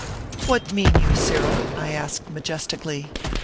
"What mean you, sirrah ?" I asked majesti cally.